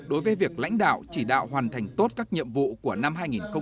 đối với việc lãnh đạo chỉ đạo hoàn thành tốt các nhiệm vụ của năm hai nghìn một mươi chín hai nghìn hai mươi